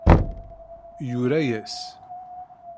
Yura-yas.